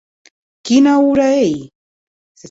Quina ora ei?